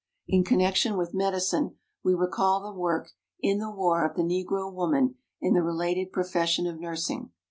In connection with medi cine we recall the work in the war of the Negro woman in the related profession of nursing.